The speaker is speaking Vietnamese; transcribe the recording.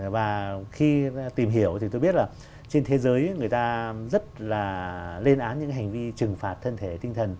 và khi tìm hiểu thì tôi biết là trên thế giới người ta rất là lên án những hành vi trừng phạt thân thể tinh thần